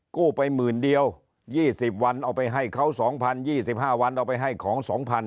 กู้ไปหมื่นเดียว๒๐วันเอาไปให้เขา๒๐๒๕วันเอาไปให้ของ๒๐๐